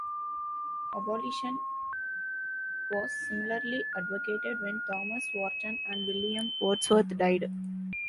Abolition was similarly advocated when Thomas Warton and William Wordsworth died.